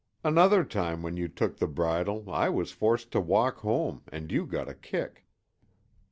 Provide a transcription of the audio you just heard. "Another time when you took the bridle I was forced to walk home and you got a kick."